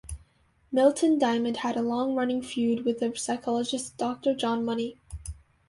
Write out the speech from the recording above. Milton Diamond had a long running feud with the psychologist Doctor John Money.